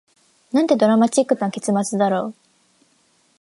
なんてドラマチックな結末だろう